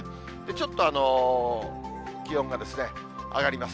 ちょっと気温が上がります。